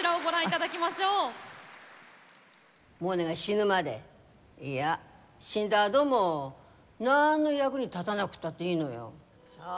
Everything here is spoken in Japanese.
モネが死ぬまでいや死んだあどもなんの役に立たなくったっていいのよ。